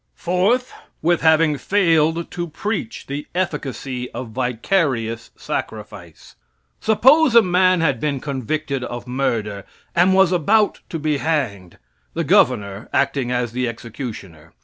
Fourth. With having failed to preach the efficacy of vicarious sacrifice. Suppose a man had been convicted of murder, and was about to be hanged the Governor acting as the executioner.